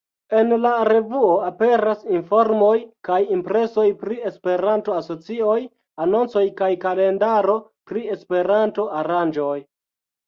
En la revuo aperas informoj kaj impresoj pri Esperanto-asocioj, anoncoj kaj kalendaro pri Esperanto-aranĝoj.